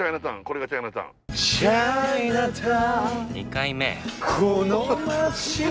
２回目。